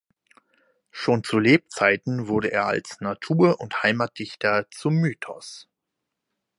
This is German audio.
Schon zu Lebzeiten wurde er als Natur- und Heimatdichter zum Mythos.